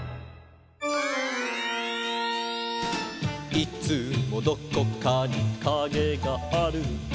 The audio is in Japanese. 「いつもどこかにカゲがある」